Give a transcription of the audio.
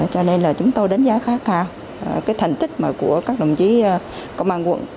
cho nên chúng tôi đánh giá khá cao thành tích của các đồng chí công an quận